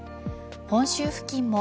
本州付近も